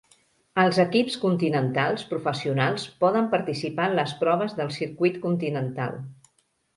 Els equips continentals professionals poden participar en les proves del Circuit continental.